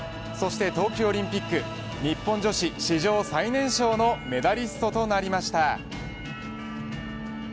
そして冬季オリンピック日本女子史上最年少のメダリストとなりました。